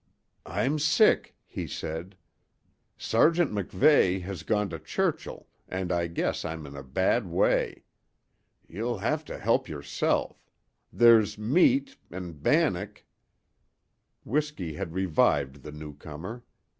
"I'm sick," he said. "Sergeant MacVeigh has gone to Churchill, and I guess I'm in a bad way. You'll have to help yourself. There's meat 'n' bannock " Whisky had revived the new comer.